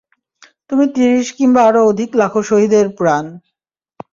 তুমি তিরিশ কিংবা তারও অধিক লাখো শহীদের প্রাণ।